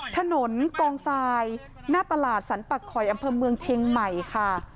ถนนกองทรายหน้าตลาดสรรปักคอยอำเภอเมืองเชียงใหม่ค่ะ